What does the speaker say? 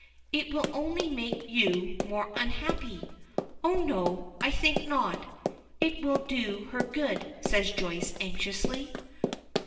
"It will only make you more unhappy." "Oh, no. I think not. It will do her good," says Joyce, anxiously.